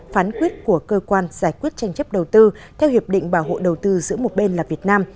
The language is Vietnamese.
phán quyết của cơ quan giải quyết tranh chấp đầu tư theo hiệp định bảo hộ đầu tư giữa một bên là việt nam